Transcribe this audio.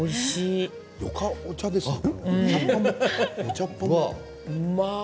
よかお茶ですね。